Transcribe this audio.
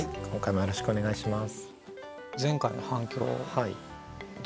よろしくお願いします。